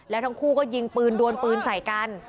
แล้วทั้งคู่ก็ยิงปืนดวนปืนใส่กัน